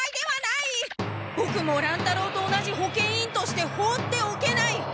ボクも乱太郎と同じ保健委員として放っておけない！